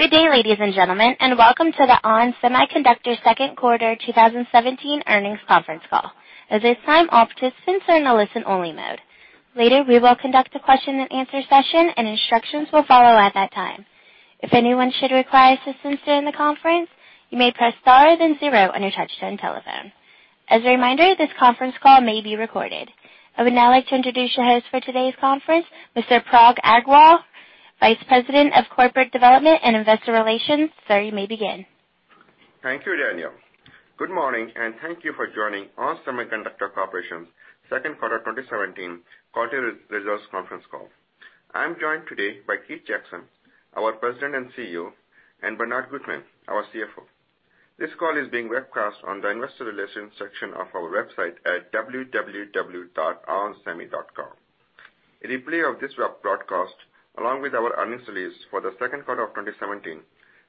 Good day, ladies and gentlemen, and welcome to the ON Semiconductor second quarter 2017 earnings conference call. At this time, all participants are in a listen-only mode. Later, we will conduct a question and answer session and instructions will follow at that time. If anyone should require assistance during the conference, you may press star then zero on your touch-tone telephone. As a reminder, this conference call may be recorded. I would now like to introduce your host for today's conference, Mr. Parag Agarwal, Vice President of Corporate Development and Investor Relations. Sir, you may begin. Thank you, Danielle. Good morning, and thank you for joining ON Semiconductor Corporation's second quarter 2017 quarterly results conference call. I'm joined today by Keith Jackson, our President and CEO, and Bernard Gutmann, our CFO. This call is being webcast on the investor relations section of our website at www.onsemi.com. A replay of this webcast, along with our earnings release for the second quarter of 2017,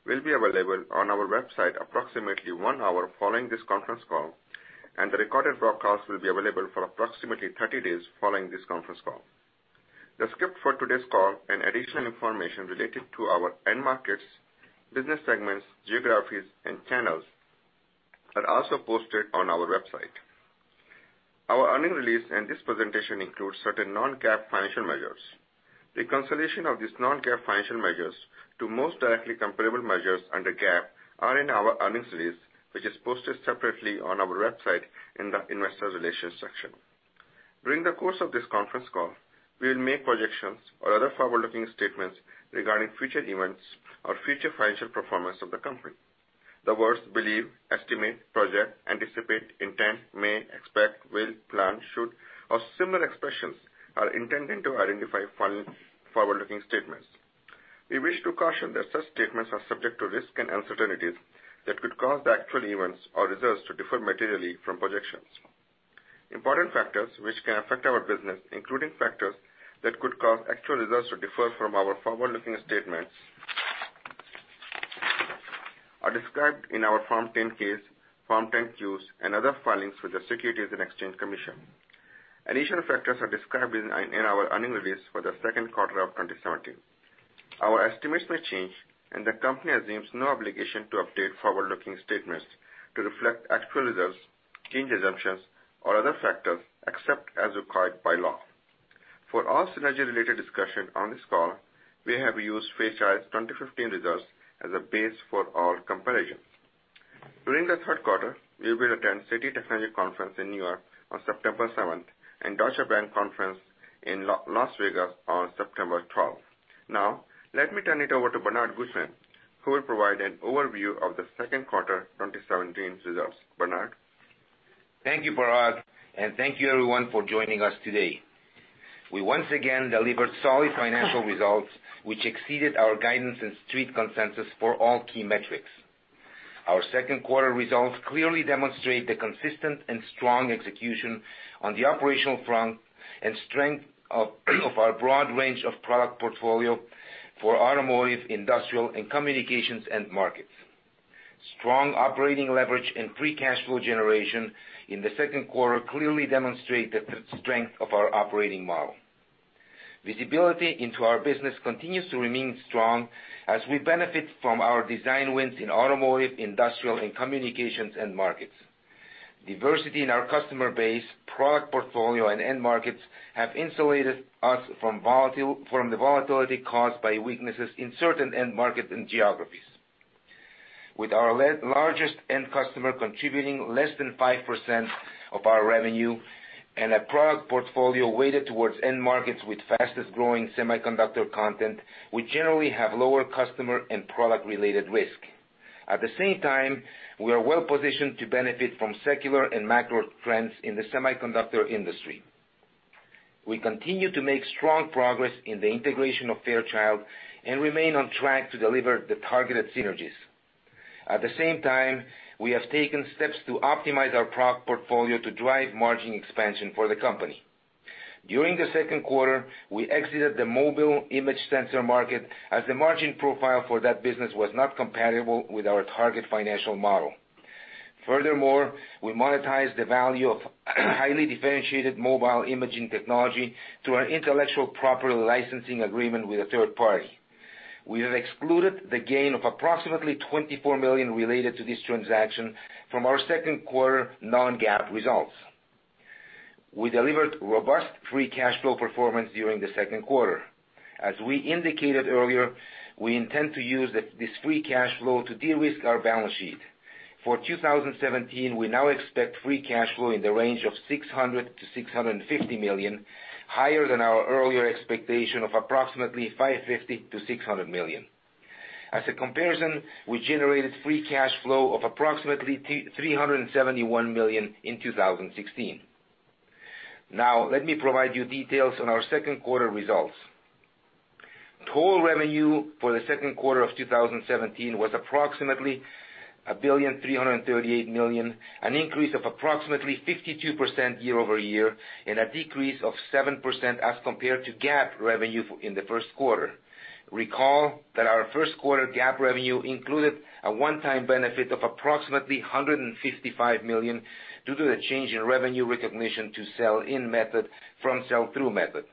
will be available on our website approximately one hour following this conference call, and the recorded broadcast will be available for approximately 30 days following this conference call. The script for today's call and additional information related to our end markets, business segments, geographies, and channels are also posted on our website. Our earning release and this presentation includes certain non-GAAP financial measures. Reconciliation of these non-GAAP financial measures to most directly comparable measures under GAAP are in our earnings release, which is posted separately on our website in the investor relations section. During the course of this conference call, we'll make projections or other forward-looking statements regarding future events or future financial performance of the company. The words believe, estimate, project, anticipate, intend, may, expect, will, plan, should, or similar expressions are intended to identify forward-looking statements. We wish to caution that such statements are subject to risks and uncertainties that could cause the actual events or results to differ materially from projections. Important factors which can affect our business, including factors that could cause actual results to differ from our forward-looking statements, are described in our Form 10-K, Form 10-Qs, and other filings with the Securities and Exchange Commission. Additional factors are described in our earning release for the second quarter of 2017. Our estimates may change, and the company assumes no obligation to update forward-looking statements to reflect actual results, changed assumptions, or other factors, except as required by law. For all synergy-related discussion on this call, we have used Fairchild's 2015 results as a base for all comparisons. During the third quarter, we will attend Citi Technology Conference in New York on September 7th and Deutsche Bank Conference in Las Vegas on September 12th. Let me turn it over to Bernard Gutmann, who will provide an overview of the second quarter 2017 results. Bernard? Thank you, Parag, and thank you everyone for joining us today. We once again delivered solid financial results, which exceeded our guidance and Street consensus for all key metrics. Our second quarter results clearly demonstrate the consistent and strong execution on the operational front and strength of our broad range of product portfolio for automotive, industrial, and communications end markets. Strong operating leverage and free cash flow generation in the second quarter clearly demonstrate the strength of our operating model. Visibility into our business continues to remain strong as we benefit from our design wins in automotive, industrial, and communications end markets. Diversity in our customer base, product portfolio, and end markets have insulated us from the volatility caused by weaknesses in certain end markets and geographies. With our largest end customer contributing less than 5% of our revenue and a product portfolio weighted towards end markets with fastest-growing semiconductor content, we generally have lower customer and product-related risk. At the same time, we are well-positioned to benefit from secular and macro trends in the semiconductor industry. We continue to make strong progress in the integration of Fairchild and remain on track to deliver the targeted synergies. At the same time, we have taken steps to optimize our product portfolio to drive margin expansion for the company. During the second quarter, we exited the mobile image sensor market as the margin profile for that business was not compatible with our target financial model. Furthermore, we monetized the value of highly differentiated mobile imaging technology through our intellectual property licensing agreement with a third party. We have excluded the gain of approximately $24 million related to this transaction from our second quarter non-GAAP results. We delivered robust free cash flow performance during the second quarter. As we indicated earlier, we intend to use this free cash flow to de-risk our balance sheet. For 2017, we now expect free cash flow in the range of $600 million-$650 million, higher than our earlier expectation of approximately $550 million-$600 million. As a comparison, we generated free cash flow of approximately $371 million in 2016. Let me provide you details on our second quarter results. Total revenue for the second quarter of 2017 was approximately $1,338 million, an increase of approximately 52% year-over-year and a decrease of 7% as compared to GAAP revenue in the first quarter. Recall that our first quarter GAAP revenue included a one-time benefit of approximately $155 million due to the change in revenue recognition to sell-in method from sell-through method.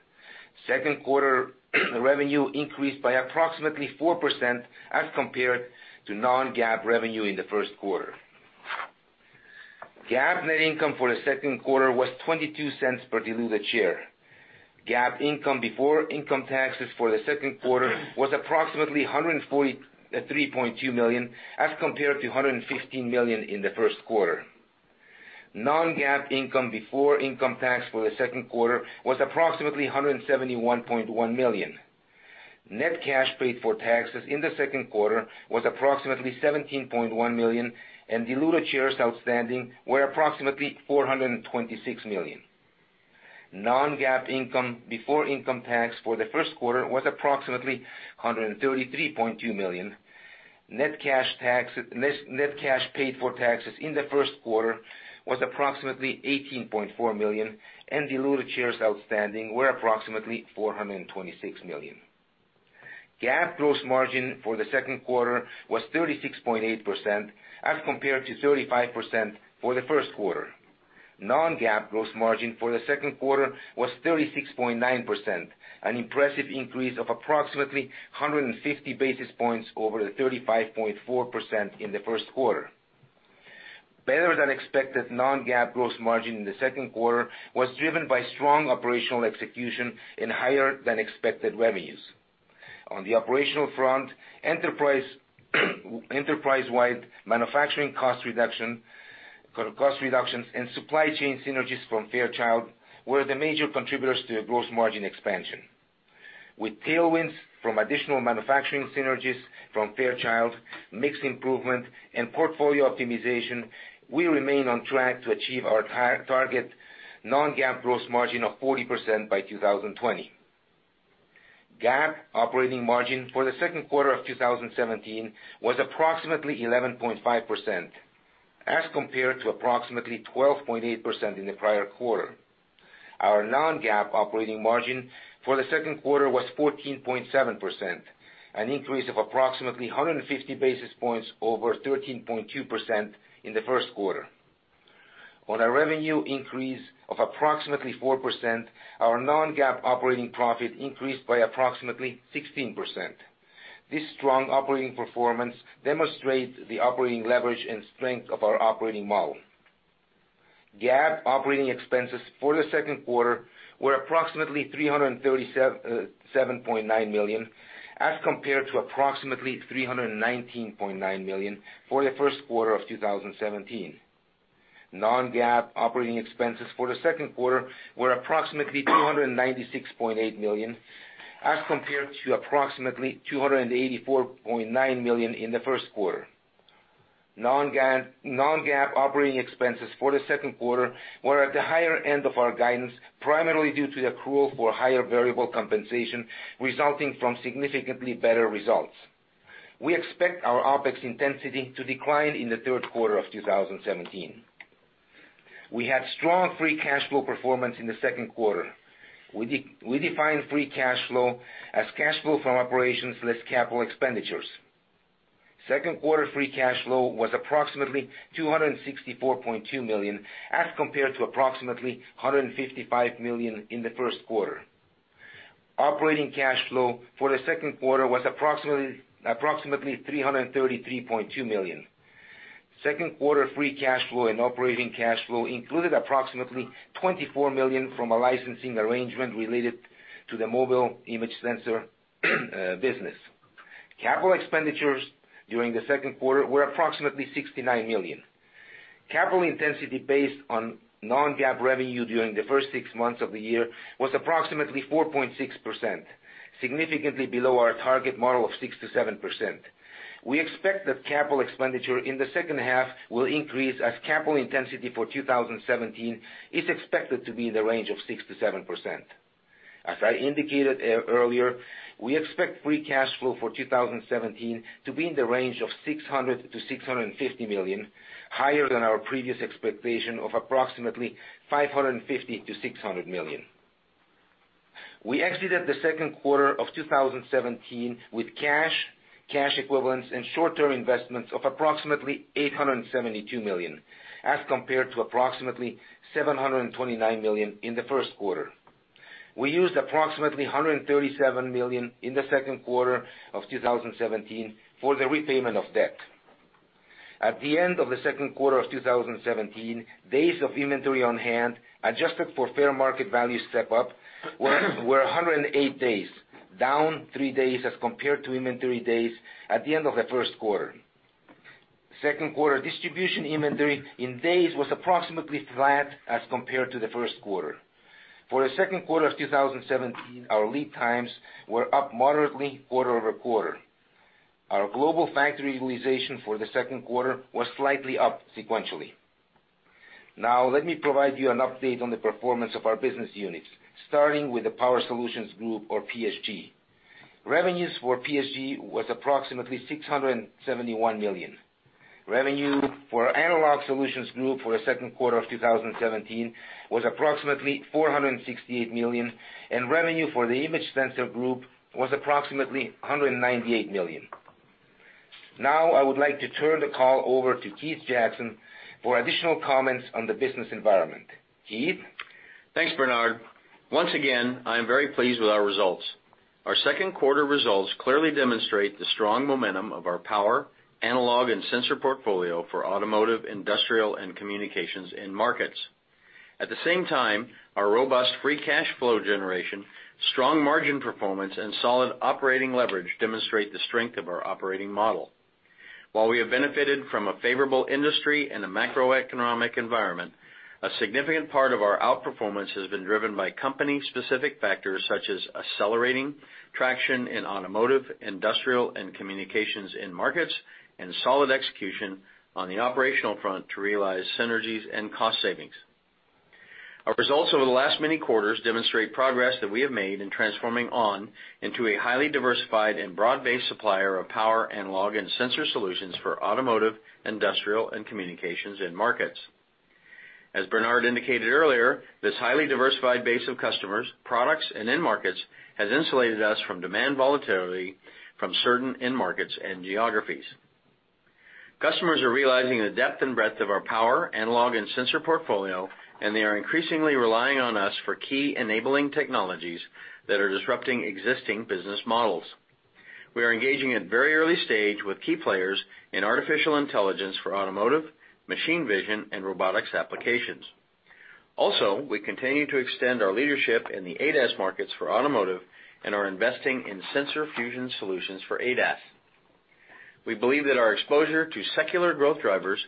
Second quarter revenue increased by approximately 4% as compared to non-GAAP revenue in the first quarter. GAAP net income for the second quarter was $0.22 per diluted share. GAAP income before income taxes for the second quarter was approximately $143.2 million as compared to $115 million in the first quarter. Non-GAAP income before income tax for the second quarter was approximately $171.1 million. Net cash paid for taxes in the second quarter was approximately $17.1 million, and diluted shares outstanding were approximately 426 million. Non-GAAP income before income tax for the first quarter was approximately $133.2 million. Net cash paid for taxes in the first quarter was approximately $18.4 million, and diluted shares outstanding were approximately 426 million. GAAP gross margin for the second quarter was 36.8% as compared to 35% for the first quarter. non-GAAP gross margin for the second quarter was 36.9%, an impressive increase of approximately 150 basis points over the 35.4% in the first quarter. Better-than-expected non-GAAP gross margin in the second quarter was driven by strong operational execution and higher-than-expected revenues. On the operational front, enterprise-wide manufacturing cost reductions and supply chain synergies from Fairchild were the major contributors to the gross margin expansion. With tailwinds from additional manufacturing synergies from Fairchild, mix improvement, and portfolio optimization, we remain on track to achieve our target non-GAAP gross margin of 40% by 2020. GAAP operating margin for the second quarter of 2017 was approximately 11.5% as compared to approximately 12.8% in the prior quarter. Our non-GAAP operating margin for the second quarter was 14.7%, an increase of approximately 150 basis points over 13.2% in the first quarter. On a revenue increase of approximately 4%, our non-GAAP operating profit increased by approximately 16%. This strong operating performance demonstrates the operating leverage and strength of our operating model. GAAP operating expenses for the second quarter were approximately $337.9 million as compared to approximately $319.9 million for the first quarter of 2017. non-GAAP operating expenses for the second quarter were approximately $296.8 million as compared to approximately $284.9 million in the first quarter. non-GAAP operating expenses for the second quarter were at the higher end of our guidance, primarily due to the accrual for higher variable compensation resulting from significantly better results. We expect our OpEx intensity to decline in the third quarter of 2017. We had strong free cash flow performance in the second quarter. We define free cash flow as cash flow from operations less capital expenditures. Second quarter free cash flow was approximately $264.2 million as compared to approximately $155 million in the first quarter. Operating cash flow for the second quarter was approximately $333.2 million. Second quarter free cash flow and operating cash flow included approximately $24 million from a licensing arrangement related to the mobile image sensor business. Capital expenditures during the second quarter were approximately $69 million. Capital intensity based on non-GAAP revenue during the first six months of the year was approximately 4.6%, significantly below our target model of 6%-7%. We expect that capital expenditure in the second half will increase as capital intensity for 2017 is expected to be in the range of 6%-7%. As I indicated earlier, we expect free cash flow for 2017 to be in the range of $600 million-$650 million, higher than our previous expectation of approximately $550 million-$600 million. We exited the second quarter of 2017 with cash equivalents, and short-term investments of approximately $872 million as compared to approximately $729 million in the first quarter. We used approximately $137 million in the second quarter of 2017 for the repayment of debt. At the end of the second quarter of 2017, days of inventory on hand, adjusted for fair market value step-up, were 108 days, down three days as compared to inventory days at the end of the first quarter. Second quarter distribution inventory in days was approximately flat as compared to the first quarter. For the second quarter of 2017, our lead times were up moderately quarter-over-quarter. Our global factory utilization for the second quarter was slightly up sequentially. Let me provide you an update on the performance of our business units, starting with the Power Solutions Group or PSG. Revenues for PSG was approximately $671 million. Revenue for our Analog Solutions Group for the second quarter of 2017 was approximately $468 million, and revenue for the Image Sensor Group was approximately $198 million. I would like to turn the call over to Keith Jackson for additional comments on the business environment. Keith? Thanks, Bernard. Once again, I am very pleased with our results. Our second quarter results clearly demonstrate the strong momentum of our power, analog, and sensor portfolio for automotive, industrial, and communications end markets. At the same time, our robust free cash flow generation, strong margin performance, and solid operating leverage demonstrate the strength of our operating model. While we have benefited from a favorable industry and a macroeconomic environment, a significant part of our outperformance has been driven by company-specific factors such as accelerating traction in automotive, industrial, and communications end markets, and solid execution on the operational front to realize synergies and cost savings. Our results over the last many quarters demonstrate progress that we have made in transforming ON into a highly diversified and broad-based supplier of power, analog, and sensor solutions for automotive, industrial, and communications end markets. As Bernard indicated earlier, this highly diversified base of customers, products, and end markets has insulated us from demand volatility from certain end markets and geographies. Customers are realizing the depth and breadth of our power, analog, and sensor portfolio, and they are increasingly relying on us for key enabling technologies that are disrupting existing business models. We are engaging at very early stage with key players in artificial intelligence for automotive, machine vision, and robotics applications. We continue to extend our leadership in the ADAS markets for automotive and are investing in sensor fusion solutions for ADAS. We believe that our exposure to secular growth drivers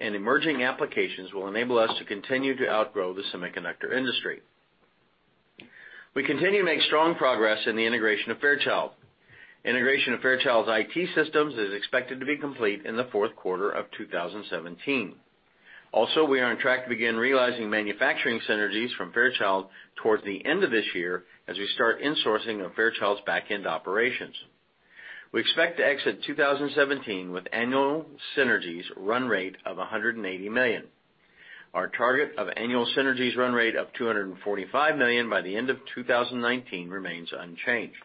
and emerging applications will enable us to continue to outgrow the semiconductor industry. We continue to make strong progress in the integration of Fairchild. Integration of Fairchild's IT systems is expected to be complete in the fourth quarter of 2017. We are on track to begin realizing manufacturing synergies from Fairchild towards the end of this year as we start insourcing of Fairchild's backend operations. We expect to exit 2017 with annual synergies run rate of $180 million. Our target of annual synergies run rate of $245 million by the end of 2019 remains unchanged.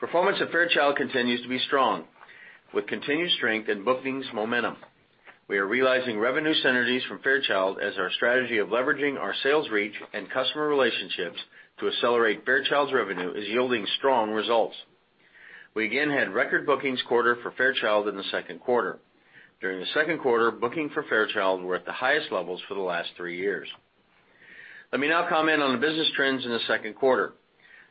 Performance of Fairchild continues to be strong, with continued strength in bookings momentum. We are realizing revenue synergies from Fairchild as our strategy of leveraging our sales reach and customer relationships to accelerate Fairchild's revenue is yielding strong results. We again had record bookings quarter for Fairchild in the second quarter. During the second quarter, booking for Fairchild were at the highest levels for the last three years. Let me now comment on the business trends in the second quarter.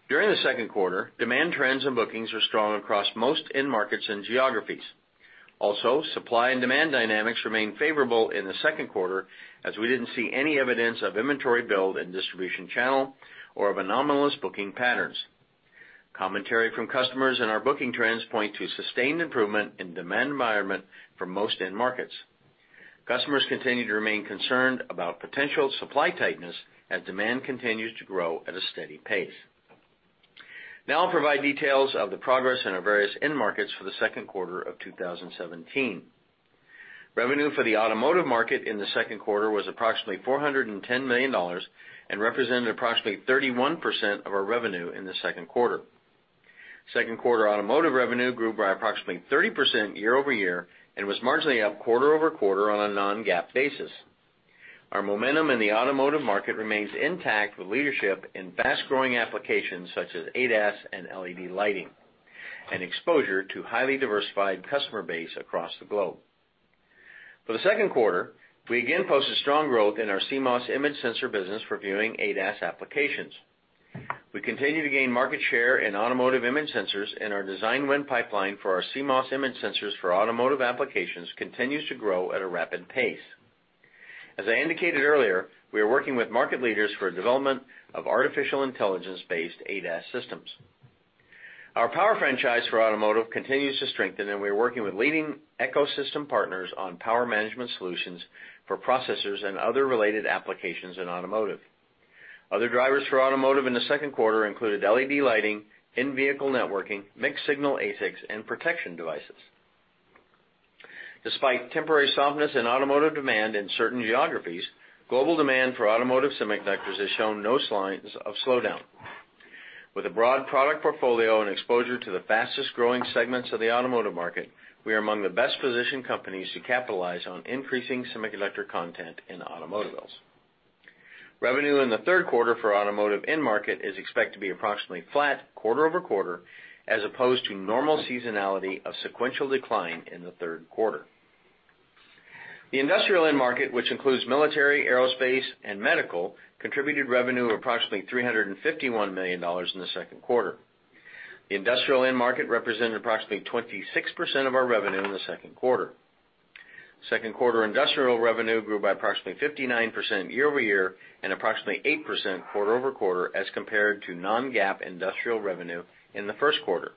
During the second quarter, demand trends and bookings were strong across most end markets and geographies. Supply and demand dynamics remained favorable in the second quarter, as we didn't see any evidence of inventory build in distribution channel or of anomalous booking patterns. Commentary from customers and our booking trends point to sustained improvement in demand environment for most end markets. Customers continue to remain concerned about potential supply tightness as demand continues to grow at a steady pace. Now I'll provide details of the progress in our various end markets for the second quarter of 2017. Revenue for the automotive market in the second quarter was approximately $410 million and represented approximately 31% of our revenue in the second quarter. Second quarter automotive revenue grew by approximately 30% year-over-year and was marginally up quarter-over-quarter on a non-GAAP basis. Our momentum in the automotive market remains intact with leadership in fast-growing applications such as ADAS and LED lighting, and exposure to highly diversified customer base across the globe. For the second quarter, we again posted strong growth in our CMOS image sensor business for viewing ADAS applications. We continue to gain market share in automotive image sensors, and our design win pipeline for our CMOS image sensors for automotive applications continues to grow at a rapid pace. As I indicated earlier, we are working with market leaders for development of artificial intelligence-based ADAS systems. Our power franchise for automotive continues to strengthen, and we are working with leading ecosystem partners on power management solutions for processors and other related applications in automotive. Other drivers for automotive in the second quarter included LED lighting, in-vehicle networking, mixed-signal ASICs, and protection devices. Despite temporary softness in automotive demand in certain geographies, global demand for automotive semiconductors has shown no signs of slowdown. With a broad product portfolio and exposure to the fastest-growing segments of the automotive market, we are among the best-positioned companies to capitalize on increasing semiconductor content in automobiles. Revenue in the third quarter for automotive end market is expected to be approximately flat quarter-over-quarter, as opposed to normal seasonality of sequential decline in the third quarter. The industrial end market, which includes military, aerospace, and medical, contributed revenue of approximately $351 million in the second quarter. The industrial end market represented approximately 26% of our revenue in the second quarter. Second quarter industrial revenue grew by approximately 59% year-over-year and approximately 8% quarter-over-quarter as compared to non-GAAP industrial revenue in the first quarter.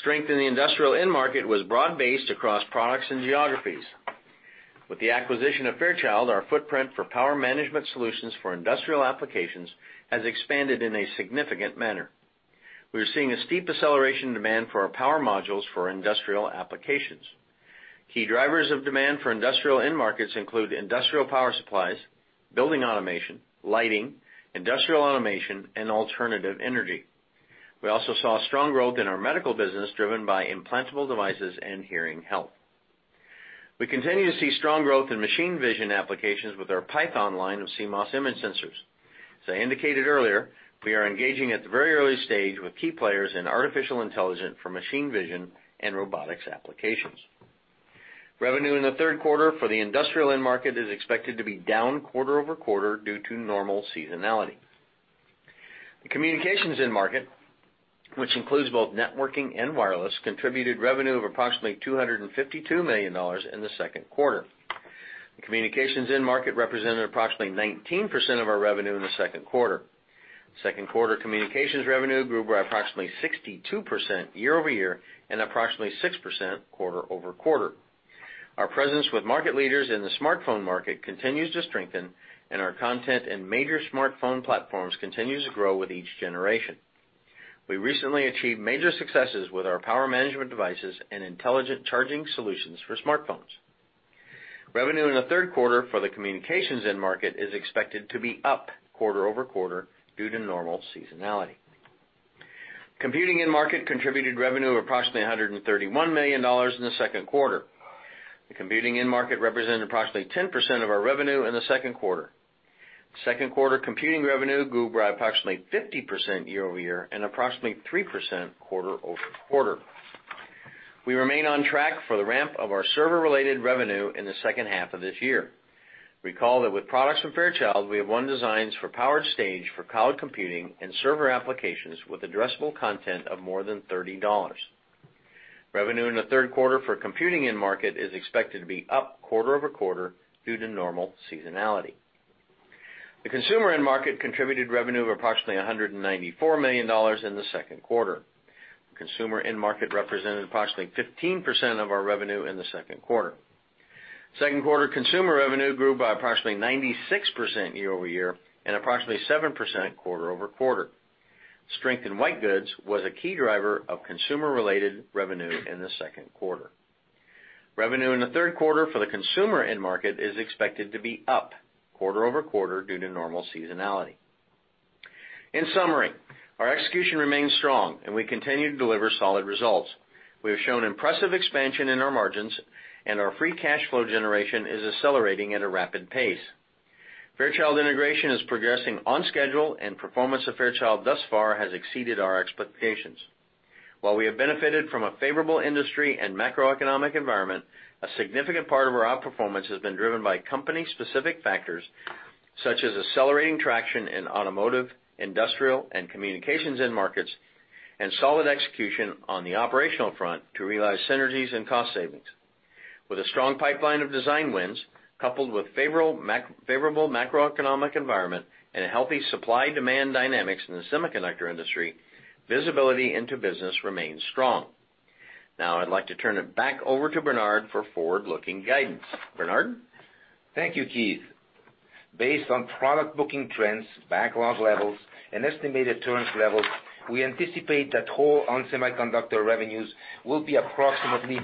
Strength in the industrial end market was broad-based across products and geographies. With the acquisition of Fairchild, our footprint for power management solutions for industrial applications has expanded in a significant manner. We are seeing a steep acceleration in demand for our power modules for industrial applications. Key drivers of demand for industrial end markets include industrial power supplies, building automation, lighting, industrial automation, and alternative energy. We also saw strong growth in our medical business, driven by implantable devices and hearing health. We continue to see strong growth in machine vision applications with our PYTHON line of CMOS image sensors. As I indicated earlier, we are engaging at the very early stage with key players in artificial intelligence for machine vision and robotics applications. Revenue in the third quarter for the industrial end market is expected to be down quarter-over-quarter due to normal seasonality. The communications end market, which includes both networking and wireless, contributed revenue of approximately $252 million in the second quarter. The communications end market represented approximately 19% of our revenue in the second quarter. Second quarter communications revenue grew by approximately 62% year-over-year and approximately 6% quarter-over-quarter. Our presence with market leaders in the smartphone market continues to strengthen, and our content in major smartphone platforms continues to grow with each generation. We recently achieved major successes with our power management devices and intelligent charging solutions for smartphones. Revenue in the third quarter for the communications end market is expected to be up quarter-over-quarter due to normal seasonality. Computing end market contributed revenue of approximately $131 million in the second quarter. The computing end market represented approximately 10% of our revenue in the second quarter. Second quarter computing revenue grew by approximately 50% year-over-year and approximately 3% quarter-over-quarter. We remain on track for the ramp of our server-related revenue in the second half of this year. Recall that with products from Fairchild, we have won designs for power stage for cloud computing and server applications with addressable content of more than $30. Revenue in the third quarter for computing end market is expected to be up quarter-over-quarter due to normal seasonality. The consumer end market contributed revenue of approximately $194 million in the second quarter. Consumer end market represented approximately 15% of our revenue in the second quarter. Second quarter consumer revenue grew by approximately 96% year-over-year and approximately 7% quarter-over-quarter. Strength in white goods was a key driver of consumer-related revenue in the second quarter. Revenue in the third quarter for the consumer end market is expected to be up quarter-over-quarter due to normal seasonality. In summary, our execution remains strong, and we continue to deliver solid results. We have shown impressive expansion in our margins, and our free cash flow generation is accelerating at a rapid pace. Fairchild integration is progressing on schedule, and performance of Fairchild thus far has exceeded our expectations. While we have benefited from a favorable industry and macroeconomic environment, a significant part of our outperformance has been driven by company-specific factors such as accelerating traction in automotive, industrial, and communications end markets, and solid execution on the operational front to realize synergies and cost savings. With a strong pipeline of design wins, coupled with favorable macroeconomic environment and healthy supply-demand dynamics in the semiconductor industry, visibility into business remains strong. Now I'd like to turn it back over to Bernard for forward-looking guidance. Bernard? Thank you, Keith. Based on product booking trends, backlog levels, and estimated turns levels, we anticipate that total ON Semiconductor revenues will be approximately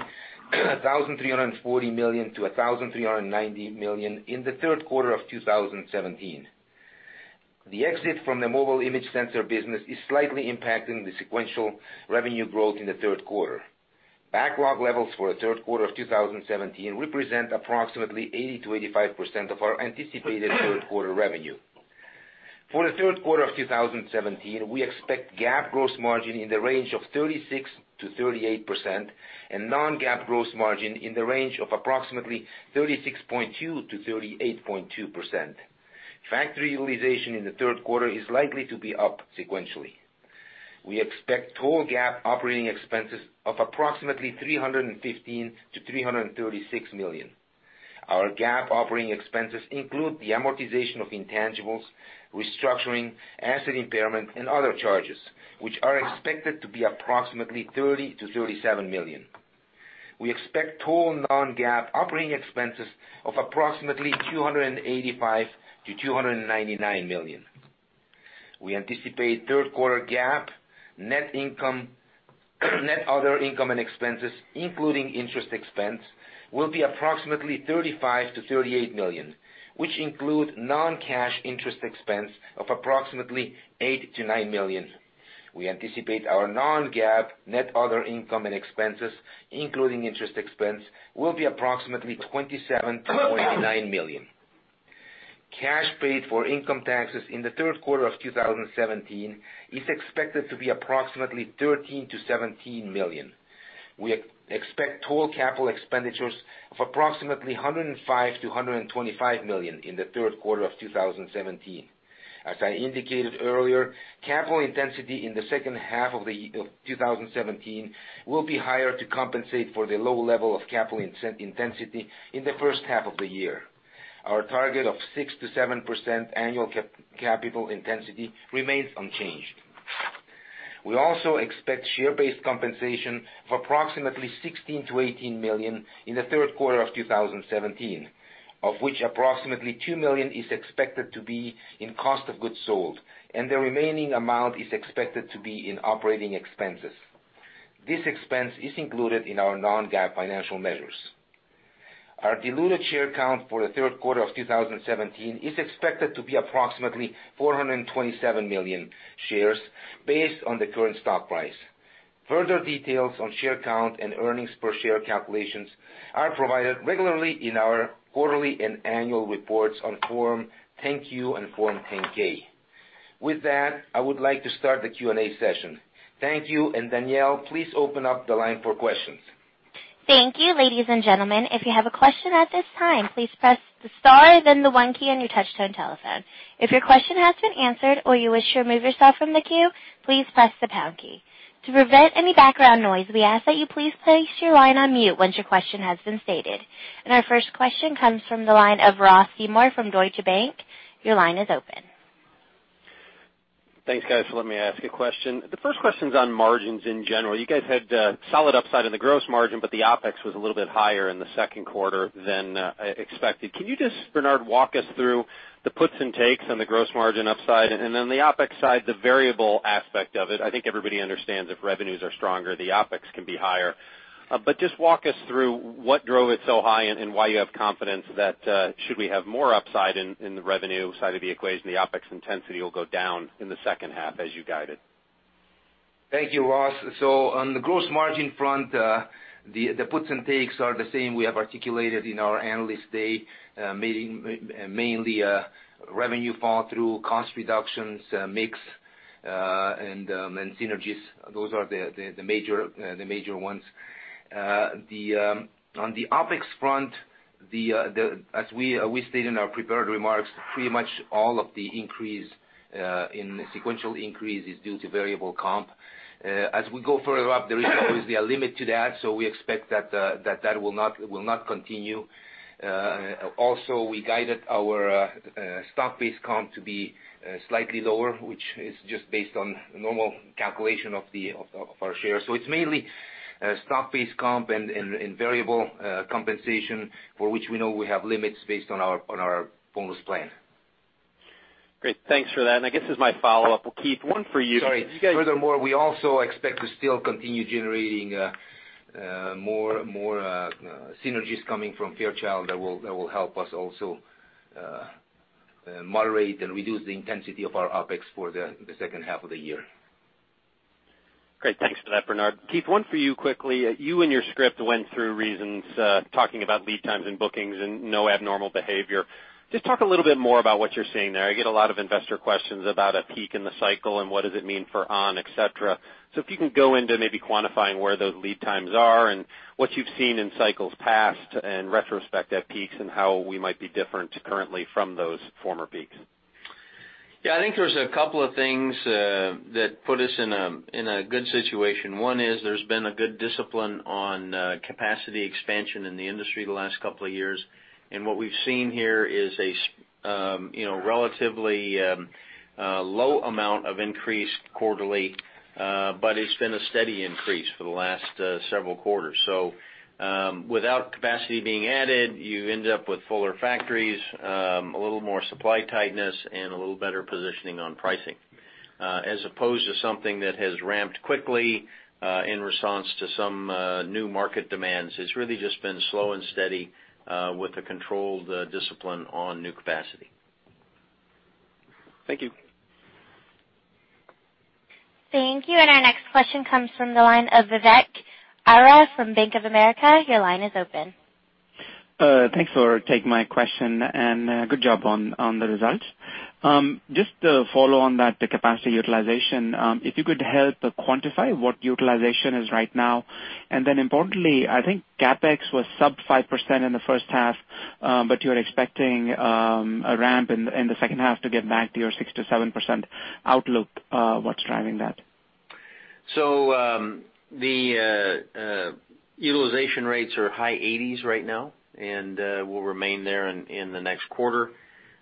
$1,340 million-$1,390 million in the third quarter of 2017. The exit from the mobile image sensor business is slightly impacting the sequential revenue growth in the third quarter. Backlog levels for the third quarter of 2017 represent approximately 80%-85% of our anticipated third quarter revenue. For the third quarter of 2017, we expect GAAP gross margin in the range of 36%-38% and non-GAAP gross margin in the range of approximately 36.2%-38.2%. Factory utilization in the third quarter is likely to be up sequentially. We expect total GAAP operating expenses of approximately $315 million-$336 million. Our GAAP operating expenses include the amortization of intangibles, restructuring, asset impairment, and other charges, which are expected to be approximately $30 million-$37 million. We expect total non-GAAP operating expenses of approximately $285 million-$299 million. We anticipate third quarter GAAP net other income and expenses, including interest expense, will be approximately $35 million-$38 million, which include non-cash interest expense of approximately $8 million-$9 million. We anticipate our non-GAAP net other income and expenses, including interest expense, will be approximately $27 million-$29 million. Cash paid for income taxes in the third quarter of 2017 is expected to be approximately $13 million-$17 million. We expect total capital expenditures of approximately $105 million-$125 million in the third quarter of 2017. As I indicated earlier, capital intensity in the second half of 2017 will be higher to compensate for the low level of capital intensity in the first half of the year. Our target of 6%-7% annual capital intensity remains unchanged. We also expect share-based compensation of approximately $16 million-$18 million in the third quarter of 2017, of which approximately $2 million is expected to be in cost of goods sold, and the remaining amount is expected to be in operating expenses. This expense is included in our non-GAAP financial measures. Our diluted share count for the third quarter of 2017 is expected to be approximately 427 million shares based on the current stock price. Further details on share count and earnings per share calculations are provided regularly in our quarterly and annual reports on Form 10-Q and Form 10-K. With that, I would like to start the Q&A session. Thank you, Danielle, please open up the line for questions. Thank you, ladies and gentlemen. If you have a question at this time, please press the star, then the one key on your touch-tone telephone. If your question has been answered or you wish to remove yourself from the queue, please press the pound key. To prevent any background noise, we ask that you please place your line on mute once your question has been stated. Our first question comes from the line of Ross Seymore from Deutsche Bank. Your line is open. Thanks, guys, for letting me ask a question. The first question's on margins in general. You guys had solid upside in the gross margin, but the OpEx was a little bit higher in the second quarter than expected. Can you just, Bernard, walk us through the puts and takes on the gross margin upside? On the OpEx side, the variable aspect of it, I think everybody understands if revenues are stronger, the OpEx can be higher. Just walk us through what drove it so high and why you have confidence that should we have more upside in the revenue side of the equation, the OpEx intensity will go down in the second half as you guided. Thank you, Ross. On the gross margin front, the puts and takes are the same we have articulated in our analyst day meeting, mainly revenue fall-through, cost reductions, mix, and then synergies. Those are the major ones. On the OpEx front, as we stated in our prepared remarks, pretty much all of the increase in sequential increase is due to variable comp. As we go further up, there is obviously a limit to that, we expect that will not continue. Also, we guided our stock-based comp to be slightly lower, which is just based on normal calculation of our shares. It's mainly stock-based comp and variable compensation, for which we know we have limits based on our bonus plan. Great. Thanks for that. I guess as my follow-up, Keith, one for you. Sorry. Furthermore, we also expect to still continue generating more synergies coming from Fairchild that will help us also moderate and reduce the intensity of our OpEx for the second half of the year. Great. Thanks for that, Bernard. Keith, one for you quickly. You, in your script, went through reasons, talking about lead times and bookings and no abnormal behavior. Just talk a little bit more about what you're seeing there. I get a lot of investor questions about a peak in the cycle and what does it mean for ON, et cetera. If you can go into maybe quantifying where those lead times are and what you've seen in cycles past, in retrospect at peaks, and how we might be different currently from those former peaks. Yeah, I think there's a couple of things that put us in a good situation. One is there's been a good discipline on capacity expansion in the industry the last couple of years. What we've seen here is a relatively low amount of increase quarterly, but it's been a steady increase for the last several quarters. Without capacity being added, you end up with fuller factories, a little more supply tightness, and a little better positioning on pricing. As opposed to something that has ramped quickly in response to some new market demands. It's really just been slow and steady with a controlled discipline on new capacity. Thank you. Thank you. Our next question comes from the line of Vivek Arya from Bank of America. Your line is open. Thanks for taking my question, good job on the results. Just to follow on that capacity utilization, if you could help quantify what utilization is right now. Importantly, I think CapEx was sub 5% in the first half, but you're expecting a ramp in the second half to get back to your 6%-7% outlook. What's driving that? The utilization rates are high 80s right now and will remain there in the next quarter.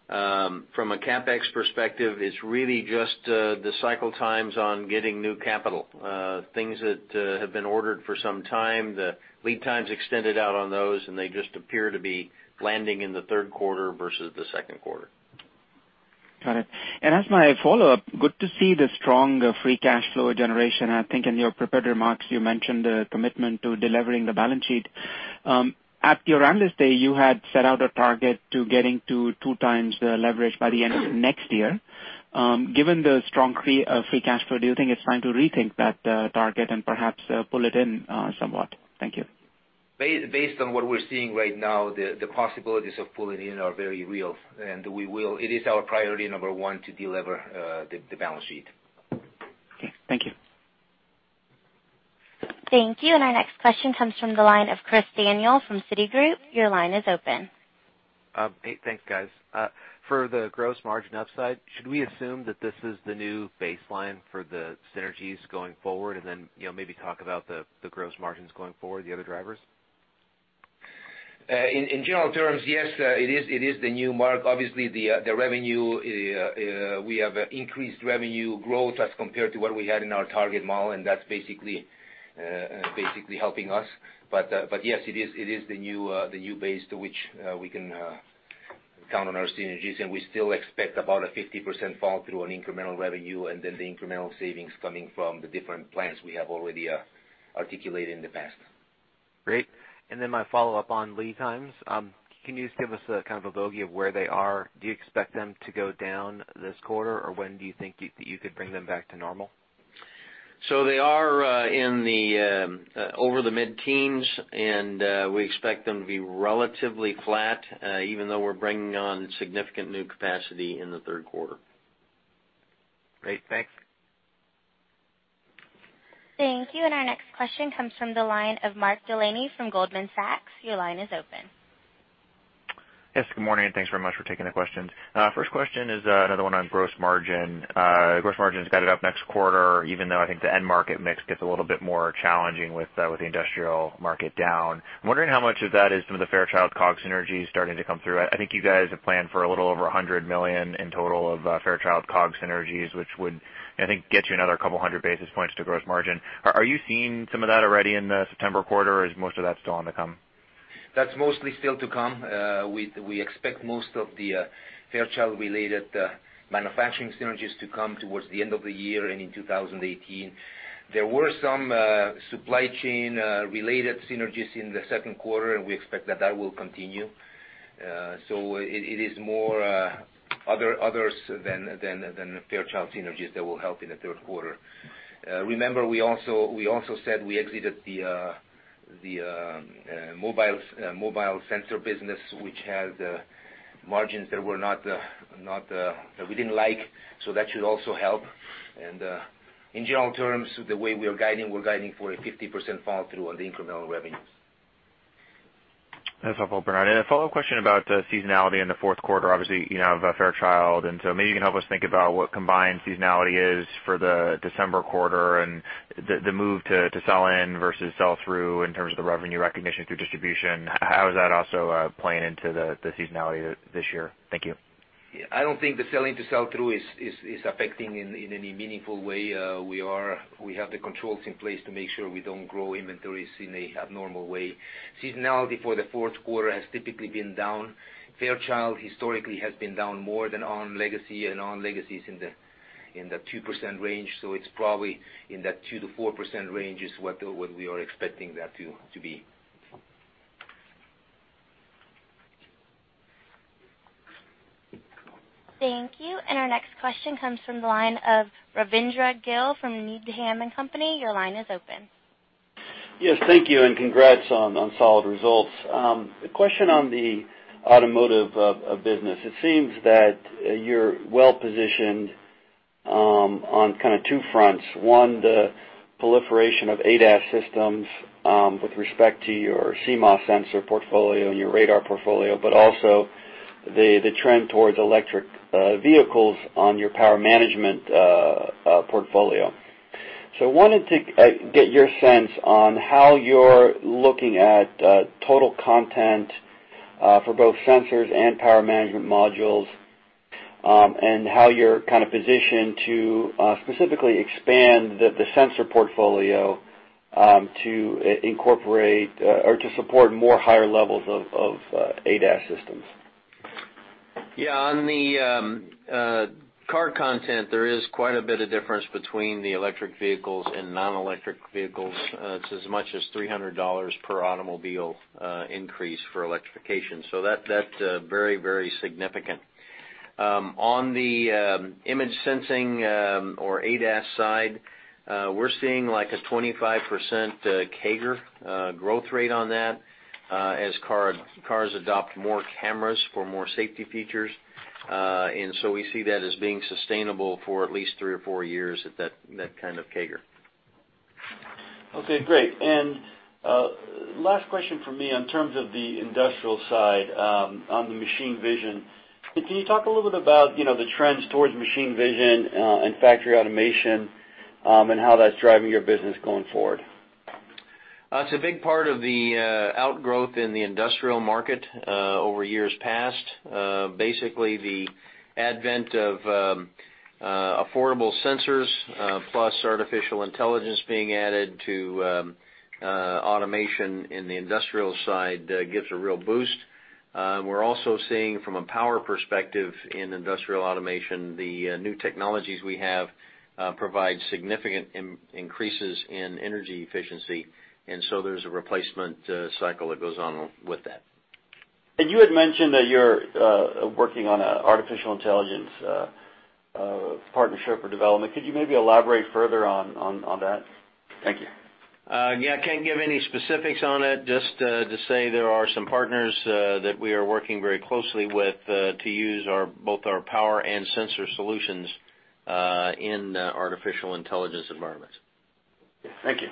From a CapEx perspective, it's really just the cycle times on getting new capital. Things that have been ordered for some time, the lead time's extended out on those, and they just appear to be landing in the third quarter versus the second quarter. Got it. As my follow-up, good to see the strong free cash flow generation. I think in your prepared remarks, you mentioned a commitment to delivering the balance sheet. At your analyst day, you had set out a target to getting to 2 times the leverage by the end of next year. Given the strong free cash flow, do you think it's time to rethink that target and perhaps pull it in somewhat? Thank you. Based on what we're seeing right now, the possibilities of pulling in are very real, and it is our priority number one to delever the balance sheet. Okay. Thank you. Thank you. Our next question comes from the line of Chris Danely from Citigroup. Your line is open. Hey, thanks guys. For the gross margin upside, should we assume that this is the new baseline for the synergies going forward? Maybe talk about the gross margins going forward, the other drivers. In general terms, yes, it is the new mark. Obviously, we have increased revenue growth as compared to what we had in our target model, and that's basically helping us. Yes, it is the new base to which we can count on our synergies, and we still expect about a 50% fall through on incremental revenue and then the incremental savings coming from the different plants we have already articulated in the past. Great. Then my follow-up on lead times. Can you just give us a kind of a bogey of where they are? Do you expect them to go down this quarter, or when do you think you could bring them back to normal? They are over the mid-teens, and we expect them to be relatively flat, even though we're bringing on significant new capacity in the third quarter. Great. Thanks. Thank you. Our next question comes from the line of Mark Delaney from Goldman Sachs. Your line is open. Yes, good morning, and thanks very much for taking the questions. First question is another one on gross margin. Gross margin's guided up next quarter, even though I think the end market mix gets a little bit more challenging with the industrial market down. I'm wondering how much of that is some of the Fairchild COGS synergies starting to come through. I think you guys have planned for a little over $100 million in total of Fairchild COGS synergies, which would, I think, get you another couple hundred basis points to gross margin. Are you seeing some of that already in the September quarter, or is most of that still on to come? That's mostly still to come. We expect most of the Fairchild-related manufacturing synergies to come towards the end of the year and in 2018. There were some supply chain-related synergies in the second quarter, and we expect that that will continue. It is more others than the Fairchild synergies that will help in the third quarter. Remember, we also said we exited the mobile sensor business, which had margins that we didn't like, so that should also help. In general terms, the way we are guiding, we're guiding for a 50% fall through on the incremental revenues. That's helpful, Bernard. A follow-up question about seasonality in the fourth quarter. Obviously, you now have Fairchild, so maybe you can help us think about what combined seasonality is for the December quarter and the move to sell-in versus sell-through in terms of the revenue recognition through distribution. How is that also playing into the seasonality this year? Thank you. I don't think the selling to sell-through is affecting in any meaningful way. We have the controls in place to make sure we don't grow inventories in a abnormal way. Seasonality for the fourth quarter has typically been down. Fairchild historically has been down more than ON legacy, and ON legacy is in the 2% range. It's probably in that 2%-4% range is what we are expecting that to be. Thank you. Our next question comes from the line of Rajvindra Gill from Needham & Company. Your line is open. Yes, thank you, and congrats on solid results. A question on the automotive business. It seems that you're well-positioned on kind of two fronts. One, the proliferation of ADAS systems with respect to your CMOS sensor portfolio and your radar portfolio, but also the trend towards electric vehicles on your power management portfolio. I wanted to get your sense on how you're looking at total content for both sensors and power management modules and how you're kind of positioned to specifically expand the sensor portfolio to incorporate or to support more higher levels of ADAS systems. Yeah. On the car content, there is quite a bit of difference between the electric vehicles and non-electric vehicles. It's as much as $300 per automobile increase for electrification. That's very significant. On the image sensing or ADAS side, we're seeing like a 25% CAGR growth rate on that as cars adopt more cameras for more safety features. We see that as being sustainable for at least three or four years at that kind of CAGR. Okay, great. Last question from me in terms of the industrial side on the machine vision. Can you talk a little bit about the trends towards machine vision and factory automation and how that's driving your business going forward? It's a big part of the outgrowth in the industrial market over years past. Basically, the advent of affordable sensors, plus artificial intelligence being added to automation in the industrial side gives a real boost. We're also seeing from a power perspective in industrial automation, the new technologies we have provide significant increases in energy efficiency, there's a replacement cycle that goes on with that. You had mentioned that you're working on a artificial intelligence partnership or development. Could you maybe elaborate further on that? Thank you. Yeah, I can't give any specifics on it, just to say there are some partners that we are working very closely with to use both our power and sensor solutions in artificial intelligence environments. Thank you.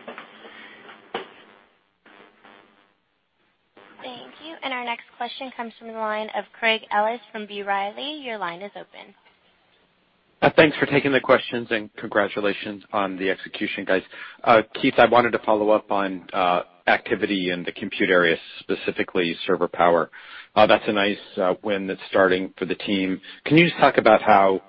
Thank you. Our next question comes from the line of Craig Ellis from B. Riley. Your line is open. Thanks for taking the questions and congratulations on the execution, guys. Keith, I wanted to follow up on activity in the compute area, specifically server power. That's a nice win that's starting for the team. Can you just talk about how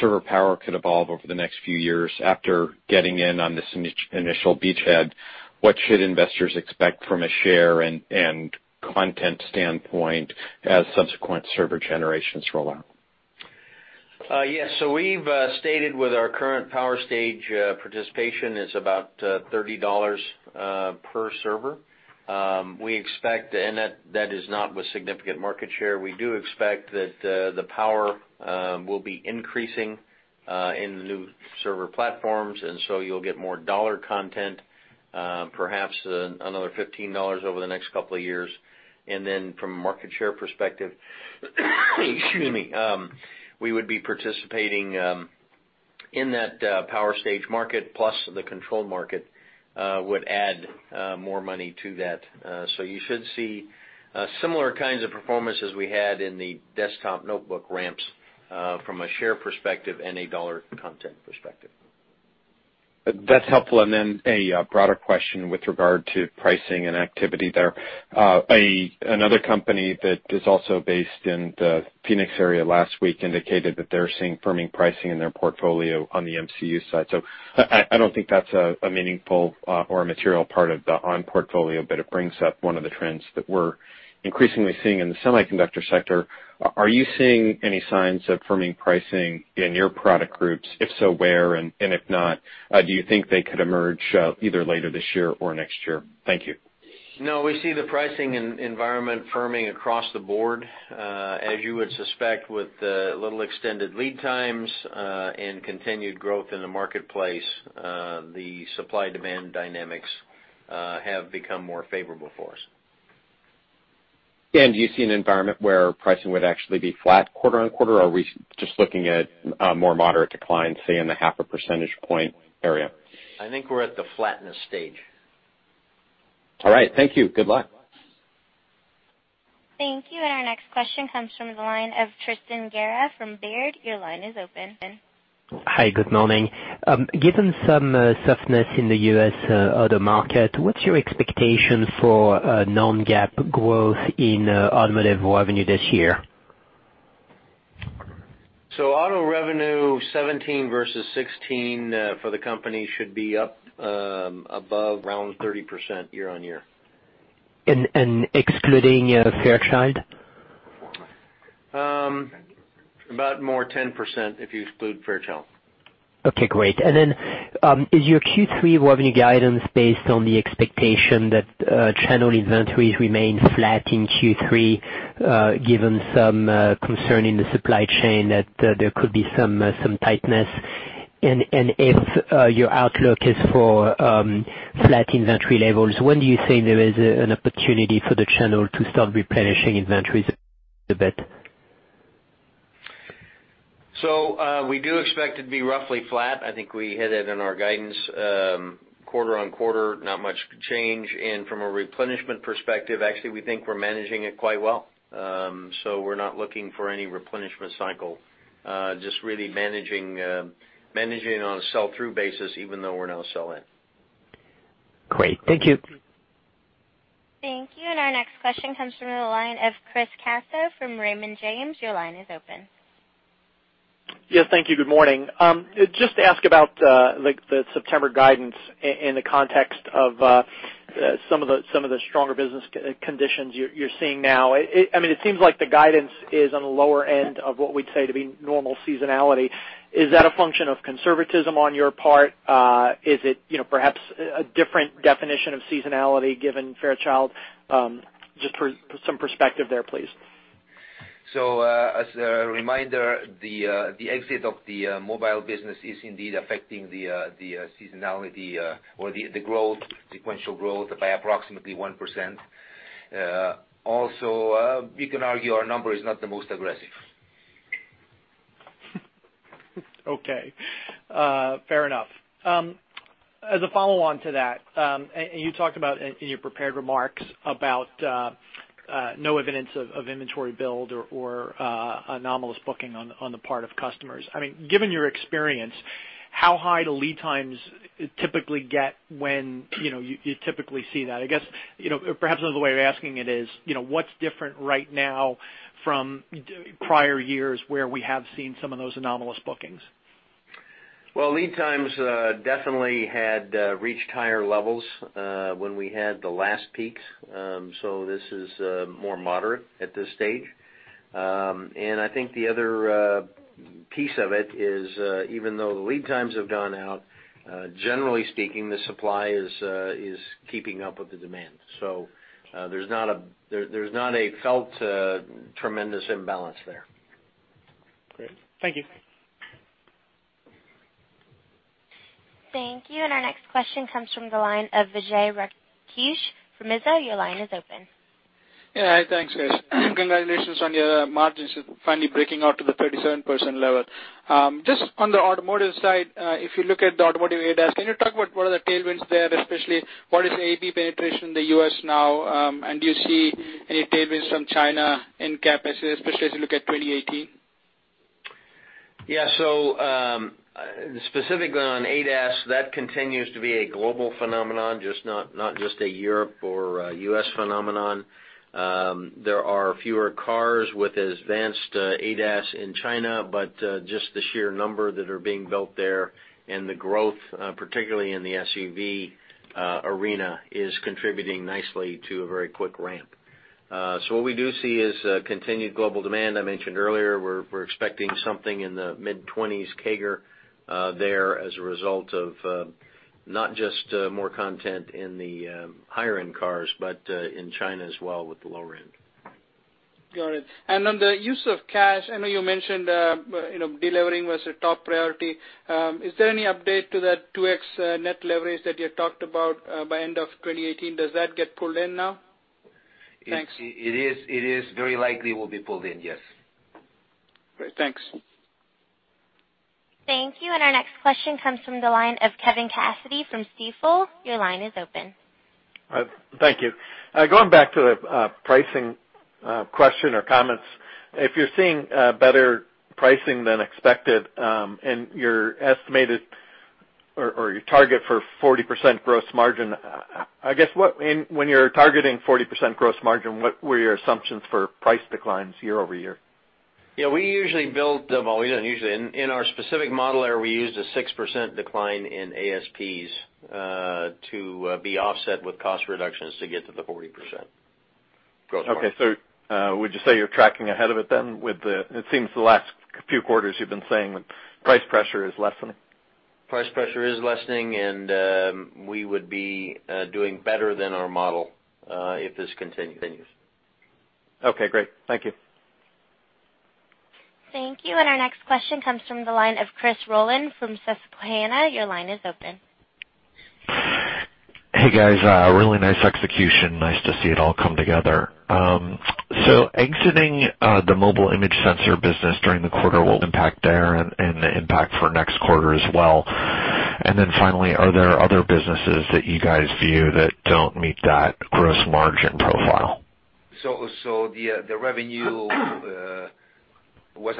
server power could evolve over the next few years after getting in on this initial beachhead? What should investors expect from a share and content standpoint as subsequent server generations roll out? Yes. We've stated with our current power stage participation is about $30 per server. That is not with significant market share. We do expect that the power will be increasing in new server platforms, and so you'll get more dollar content, perhaps another $15 over the next couple of years. From a market share perspective, excuse me, we would be participating in that power stage market plus the control market would add more money to that. You should see similar kinds of performances we had in the desktop notebook ramps from a share perspective and a dollar content perspective. That's helpful. Then a broader question with regard to pricing and activity there. Another company that is also based in the Phoenix area last week indicated that they're seeing firming pricing in their portfolio on the MCU side. I don't think that's a meaningful or a material part of the ON portfolio, but it brings up one of the trends that we're increasingly seeing in the semiconductor sector. Are you seeing any signs of firming pricing in your product groups? If so, where, and if not, do you think they could emerge either later this year or next year? Thank you. No, we see the pricing environment firming across the board. As you would suspect with the little extended lead times and continued growth in the marketplace, the supply-demand dynamics have become more favorable for us. Do you see an environment where pricing would actually be flat quarter on quarter? Or are we just looking at a more moderate decline, say in the half a percentage point area? I think we're at the flatness stage. All right. Thank you. Good luck. Thank you. Our next question comes from the line of Tristan Gerra from Baird. Your line is open. Hi, good morning. Given some softness in the U.S. auto market, what's your expectation for non-GAAP growth in automotive revenue this year? Auto revenue 2017 versus 2016 for the company should be up above around 30% year-on-year. Excluding Fairchild? About more 10% if you exclude Fairchild. Okay, great. Is your Q3 revenue guidance based on the expectation that channel inventories remain flat in Q3, given some concern in the supply chain that there could be some tightness? If your outlook is for flat inventory levels, when do you think there is an opportunity for the channel to start replenishing inventories a bit? We do expect it to be roughly flat. I think we hit it in our guidance quarter-on-quarter, not much change. From a replenishment perspective, actually, we think we're managing it quite well. We're not looking for any replenishment cycle, just really managing on a sell-through basis, even though we're now sell-in. Great. Thank you. Thank you. Our next question comes from the line of Chris Caso from Raymond James. Your line is open. Yes, thank you. Good morning. Just to ask about the September guidance in the context of some of the stronger business conditions you're seeing now. It seems like the guidance is on the lower end of what we'd say to be normal seasonality. Is that a function of conservatism on your part? Is it perhaps a different definition of seasonality given Fairchild? Just for some perspective there, please. As a reminder, the exit of the mobile business is indeed affecting the seasonality or the growth, sequential growth by approximately 1%. Also, we can argue our number is not the most aggressive. Okay. Fair enough. As a follow-on to that, and you talked about in your prepared remarks about no evidence of inventory build or anomalous booking on the part of customers. Given your experience, how high do lead times typically get when you typically see that? I guess, perhaps another way of asking it is, what's different right now from prior years where we have seen some of those anomalous bookings? Well, lead times definitely had reached higher levels when we had the last peaks. This is more moderate at this stage. I think the other piece of it is even though the lead times have gone out, generally speaking, the supply is keeping up with the demand. There's not a felt tremendous imbalance there. Great. Thank you. Thank you. Our next question comes from the line of Vijay Rakesh from Mizuho. Your line is open. Yeah. Hi. Thanks, guys. Congratulations on your margins finally breaking out to the 37% level. Just on the automotive side, if you look at the automotive ADAS, can you talk about what are the tailwinds there, especially what is ADAS penetration in the U.S. now? Do you see any tailwinds from China in CAPEX, especially as you look at 2018? Yeah. Specifically on ADAS, that continues to be a global phenomenon, not just a Europe or U.S. phenomenon. There are fewer cars with advanced ADAS in China, just the sheer number that are being built there and the growth, particularly in the SUV arena, is contributing nicely to a very quick ramp. What we do see is continued global demand. I mentioned earlier, we're expecting something in the mid-20s CAGR there as a result of not just more content in the higher-end cars, but in China as well with the lower end. Got it. On the use of cash, I know you mentioned de-levering was a top priority. Is there any update to that 2X net leverage that you had talked about by end of 2018? Does that get pulled in now? Thanks. It is very likely will be pulled in, yes. Great. Thanks. Thank you. Our next question comes from the line of Kevin Cassidy from Stifel. Your line is open. Thank you. Going back to the pricing question or comments, if you're seeing better pricing than expected, and your estimated or your target for 40% gross margin, I guess when you're targeting 40% gross margin, what were your assumptions for price declines year-over-year? Yeah, we usually build, well we don't usually, in our specific model there, we used a 6% decline in ASPs to be offset with cost reductions to get to the 40% gross margin. Okay. Would you say you're tracking ahead of it then? It seems the last few quarters you've been saying that price pressure is lessening. Price pressure is lessening, and we would be doing better than our model if this continues. Okay, great. Thank you. Thank you. Our next question comes from the line of Chris Rolland from Susquehanna. Your line is open. Hey, guys. A really nice execution. Nice to see it all come together. Exiting the mobile image sensor business during the quarter will impact there and impact for next quarter as well. Finally, are there other businesses that you guys view that don't meet that gross margin profile? The revenue was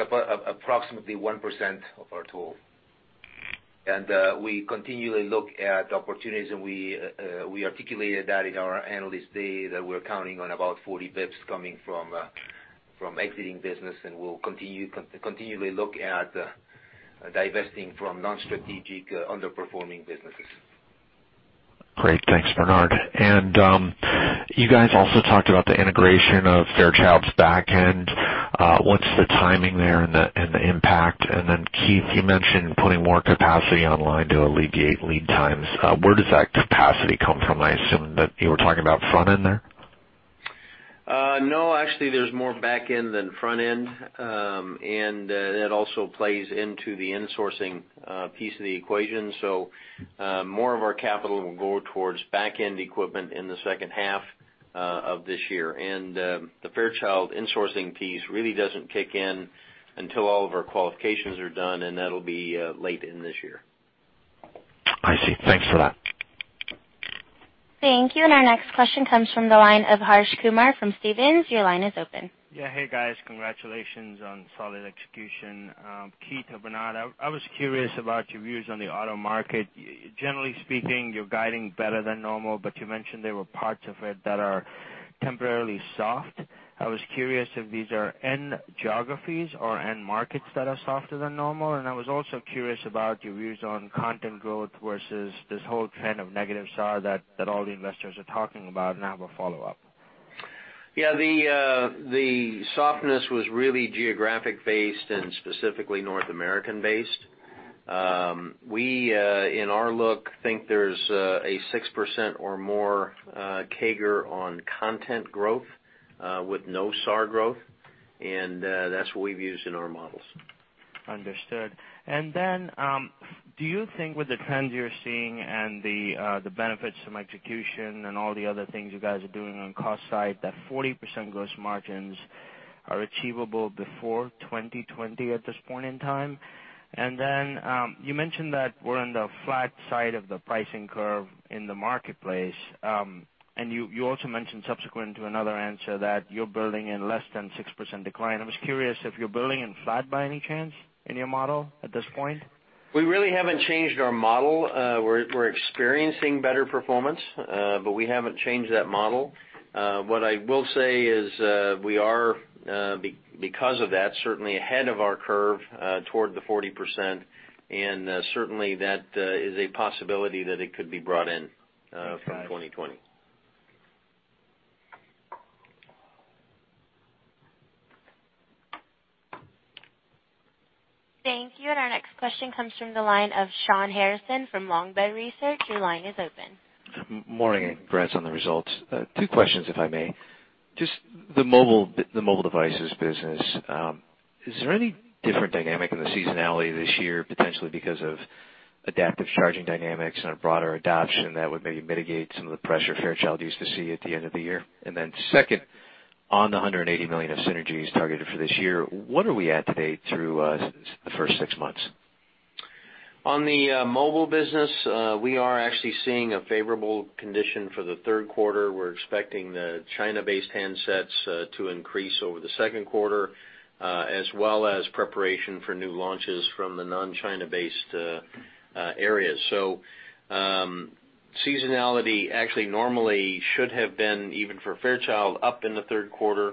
approximately 1% of our total. We continually look at opportunities, and we articulated that in our Analyst Day, that we're counting on about 40 basis points coming from exiting business and we'll continually look at divesting from non-strategic underperforming businesses. Great. Thanks, Bernard. You guys also talked about the integration of Fairchild's back end. What's the timing there and the impact? Keith, you mentioned putting more capacity online to alleviate lead times. Where does that capacity come from? I assume that you were talking about front end there? No, actually, there's more back end than front end. That also plays into the insourcing piece of the equation. More of our capital will go towards back end equipment in the second half of this year. The Fairchild insourcing piece really doesn't kick in until all of our qualifications are done, and that'll be late in this year. I see. Thanks for that. Thank you. Our next question comes from the line of Harsh Kumar from Stephens. Your line is open. Hey, guys. Congratulations on solid execution. Keith or Bernard, I was curious about your views on the auto market. Generally speaking, you're guiding better than normal, but you mentioned there were parts of it that are temporarily soft. I was curious if these are end geographies or end markets that are softer than normal, and I was also curious about your views on content growth versus this whole trend of negative SAR that all the investors are talking about. I have a follow-up. The softness was really geographic based and specifically North American based. We, in our look, think there's a 6% or more CAGR on content growth with no SAR growth, that's what we've used in our models. Do you think with the trends you're seeing and the benefits from execution and all the other things you guys are doing on cost side, that 40% gross margins are achievable before 2020 at this point in time? You mentioned that we're on the flat side of the pricing curve in the marketplace. You also mentioned subsequent to another answer that you're building in less than 6% decline. I was curious if you're building in flat by any chance in your model at this point? We really haven't changed our model. We're experiencing better performance, we haven't changed that model. What I will say is we are, because of that, certainly ahead of our curve toward the 40%, and certainly that is a possibility that it could be brought in from 2020. Thanks, guys. Thank you. Our next question comes from the line of Shawn Harrison from Longbow Research. Your line is open. Morning, congrats on the results. Two questions, if I may. Just the mobile devices business. Is there any different dynamic in the seasonality this year, potentially because of adaptive charging dynamics and a broader adoption that would maybe mitigate some of the pressure Fairchild used to see at the end of the year? Second, on the $180 million of synergies targeted for this year, what are we at today through the first six months? On the mobile business, we are actually seeing a favorable condition for the third quarter. We're expecting the China-based handsets to increase over the second quarter as well as preparation for new launches from the non-China based areas. Seasonality actually normally should have been, even for Fairchild, up in the third quarter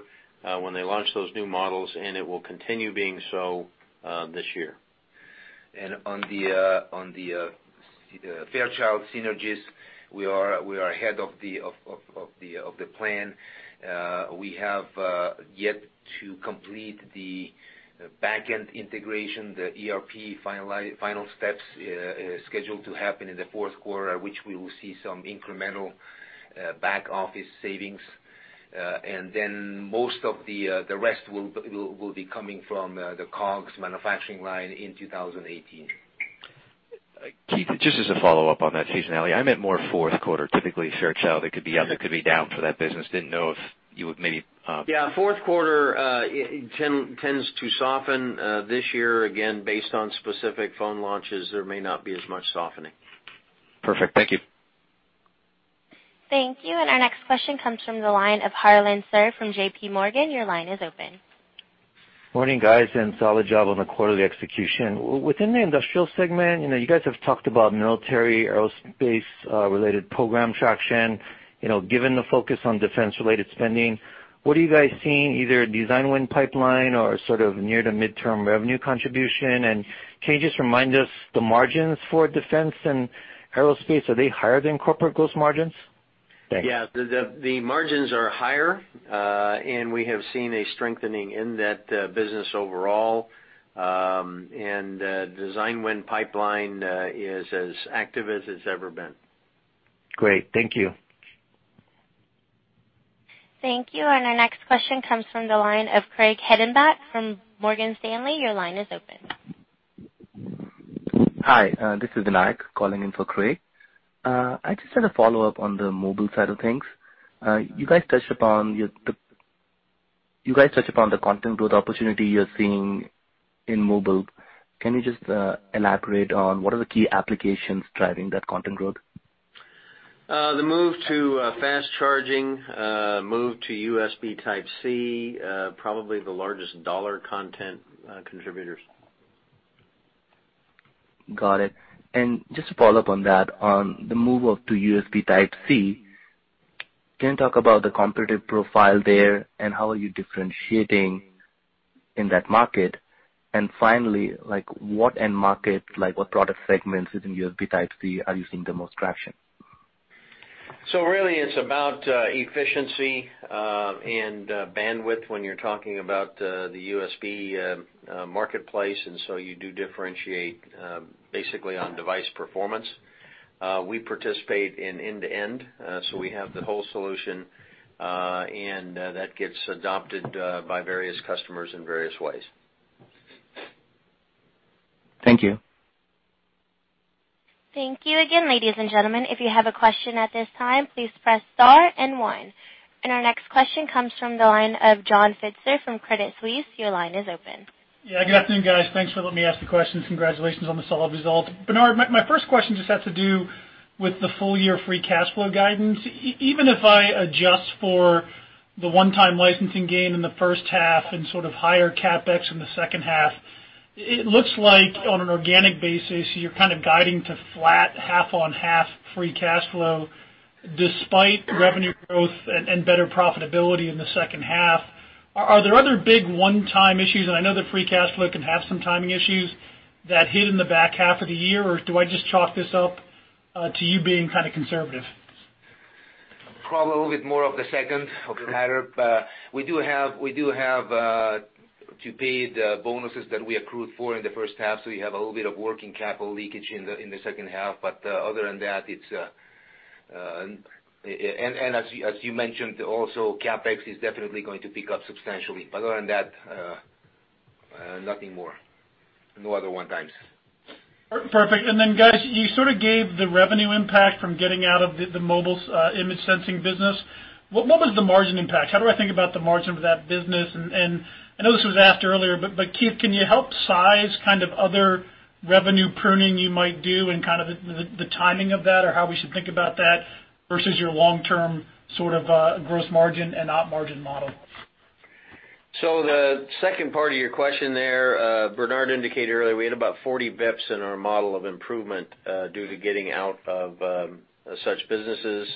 when they launched those new models, and it will continue being so this year. On the Fairchild synergies, we are ahead of the plan. We have yet to complete the back end integration, the ERP final steps scheduled to happen in the fourth quarter, which we will see some incremental back-office savings. Most of the rest will be coming from the COGS manufacturing line in 2018. Keith, just as a follow-up on that, seasonally, I meant more fourth quarter, typically, Fairchild, it could be up, it could be down for that business. Yeah. Fourth quarter tends to soften. This year, again, based on specific phone launches, there may not be as much softening. Perfect. Thank you. Thank you. Our next question comes from the line of Harlan Sur from J.P. Morgan. Your line is open. Morning, guys, solid job on the quarterly execution. Within the industrial segment, you guys have talked about military, aerospace-related program traction. Given the focus on defense-related spending, what are you guys seeing either design win pipeline or sort of near to midterm revenue contribution? Can you just remind us the margins for defense and aerospace? Are they higher than corporate gross margins? Thanks. Yeah. The margins are higher, we have seen a strengthening in that business overall. Design win pipeline is as active as it's ever been. Great. Thank you. Thank you. Our next question comes from the line of Craig Hettenbach from Morgan Stanley. Your line is open. Hi. This is Anay calling in for Craig. I just had a follow-up on the mobile side of things. You guys touched upon the content growth opportunity you're seeing in mobile. Can you just elaborate on what are the key applications driving that content growth? The move to fast charging, move to USB Type-C, probably the largest dollar content contributors. Got it. Just to follow up on that, on the move up to USB Type-C, can you talk about the competitive profile there, and how are you differentiating in that market? Finally, what end market, like what product segments within USB Type-C are you seeing the most traction? Really it's about efficiency and bandwidth when you're talking about the USB marketplace, and so you do differentiate basically on device performance. We participate in end-to-end, so we have the whole solution, and that gets adopted by various customers in various ways. Thank you. Thank you again, ladies and gentlemen. If you have a question at this time, please press star and one. Our next question comes from the line of John Pitzer from Credit Suisse. Your line is open. Yeah, good afternoon, guys. Thanks for letting me ask the question. Congratulations on the solid results. Bernard, my first question just has to do with the full-year free cash flow guidance. Even if I adjust for the one-time licensing gain in the first half and sort of higher CapEx in the second half, it looks like on an organic basis, you're kind of guiding to flat half-on-half free cash flow despite revenue growth and better profitability in the second half. Are there other big one-time issues, and I know that free cash flow can have some timing issues, that hit in the back half of the year, or do I just chalk this up to you being kind of conservative? Probably a little bit more of the second of the matter. We do have to pay the bonuses that we accrued for in the first half, you have a little bit of working capital leakage in the second half. Other than that, and as you mentioned also, CapEx is definitely going to pick up substantially. Other than that, nothing more. No other one-times. Perfect. Guys, you sort of gave the revenue impact from getting out of the mobile image sensing business. What was the margin impact? How do I think about the margin for that business? I know this was asked earlier, Keith, can you help size kind of other revenue pruning you might do and kind of the timing of that or how we should think about that versus your long-term sort of gross margin and Op margin model? The second part of your question there, Bernard indicated earlier we had about 40 bps in our model of improvement due to getting out of such businesses.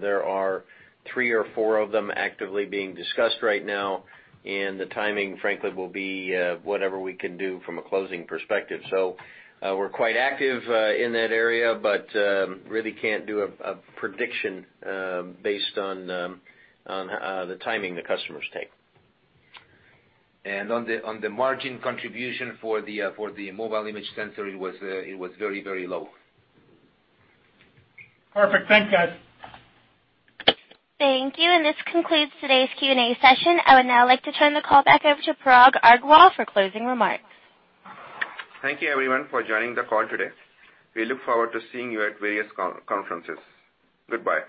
There are three or four of them actively being discussed right now. The timing, frankly, will be whatever we can do from a closing perspective. We're quite active in that area, but really can't do a prediction based on the timing the customers take. On the margin contribution for the mobile image sensor, it was very low. Perfect. Thanks, guys. Thank you. This concludes today's Q&A session. I would now like to turn the call back over to Parag Agarwal for closing remarks. Thank you everyone for joining the call today. We look forward to seeing you at various conferences. Goodbye.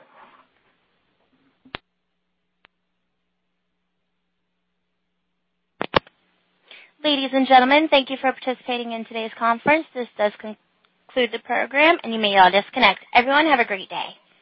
Ladies and gentlemen, thank you for participating in today's conference. This does conclude the program, and you may all disconnect. Everyone have a great day.